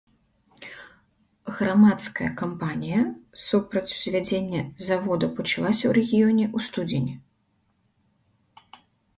Грамадская кампанія супраць узвядзення завода пачалася ў рэгіёне ў студзені.